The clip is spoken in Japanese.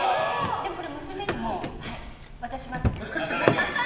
でもこれは娘に渡します。